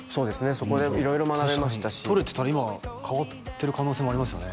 そこで色々学べましたし確かに取れてたら今変わってる可能性もありますよね